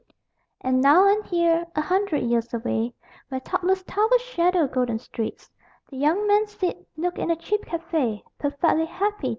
And now and here, a hundred years away, Where topless towers shadow golden streets, The young men sit, nooked in a cheap café, Perfectly happy